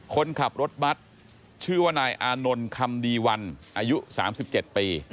คนขับรถบัตรชื่อว่านายอานนท์คำดีวันอายุ๓๗ปี